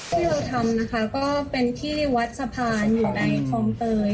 ที่เราทำนะคะก็เป็นที่วัดสะพานอยู่ในคลองเตย